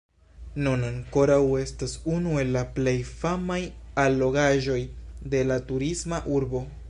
Nun ankoraŭ estas unu el la plej famaj allogaĵoj de la turisma urbo.